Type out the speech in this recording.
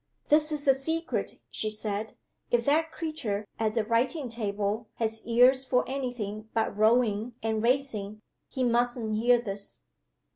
"This is a secret," she said. "If that creature at the writing table has ears for any thing but rowing and racing, he mustn't hear this!